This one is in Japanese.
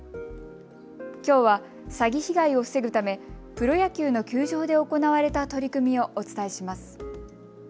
きょうは詐欺被害を防ぐためプロ野球の球場で行われた取り組みをお伝えします。